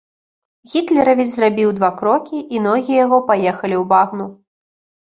Гітлеравец зрабіў два крокі, і ногі яго паехалі ў багну.